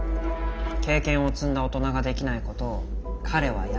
経験を積んだ大人ができないことを彼はやろうとしてる。